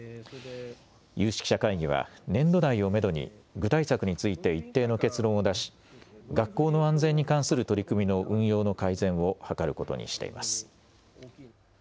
有識者会議は年度内をめどに具体策について一定の結論を出し学校の安全に関する取り組みの運用の改善を図ることにしています。